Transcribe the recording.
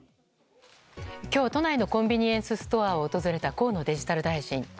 今日、都内のコンビニエンスストアを訪れた河野デジタル大臣。